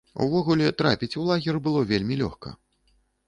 Увогуле, трапіць у лагер было вельмі лёгка.